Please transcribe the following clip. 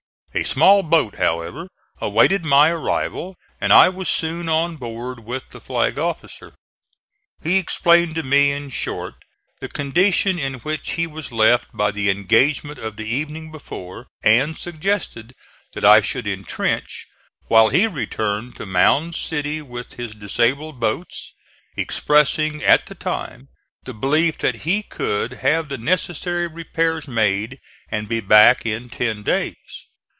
A small boat, however, awaited my arrival and I was soon on board with the flag officer. He explained to me in short the condition in which he was left by the engagement of the evening before, and suggested that I should intrench while he returned to Mound City with his disabled boats, expressing at the time the belief that he could have the necessary repairs made and be back in ten days.